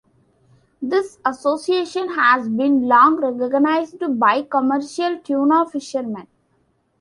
This association has been long-recognized by commercial tuna fishermen.